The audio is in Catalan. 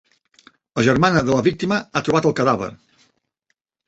La germana de la víctima ha trobat el cadàver.